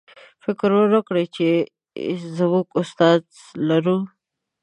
فکر ونکړئ چې موږ استازی لرو.